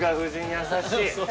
優しい。